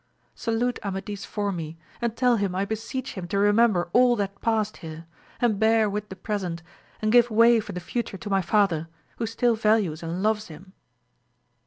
Salute Amadis for me, and tell him I beseech him to remember all that past here; and bear with the present, and give way for the future to my father, who still values and loves him.